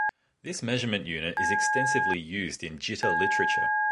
This measurement unit is extensively used in jitter literature.